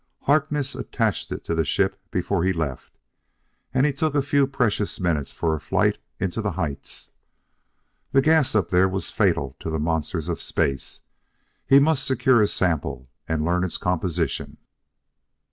Harkness attached it to the ship before he left, and he took a few precious minutes for a flight into the heights. That gas up there was fatal to the monsters of space: he must secure a sample and learn its composition.